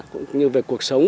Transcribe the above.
cũng như về cuộc sống